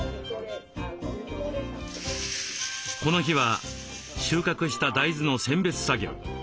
この日は収穫した大豆の選別作業。